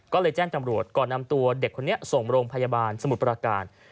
ก็เลยแจ้งตำรวจก่อนนำตัวเด็กคนนี้ส่งโรงพยาบาลสมุทรประการ